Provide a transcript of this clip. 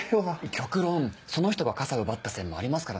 極論その人が傘奪った線もありますからね。